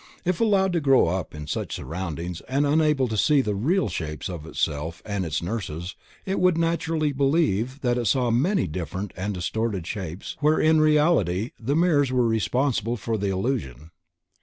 If allowed to grow up in such surroundings and unable to see the real shapes of itself and its nurses it would naturally believe that it saw many different and distorted shapes where in reality the mirrors were responsible for the illusion.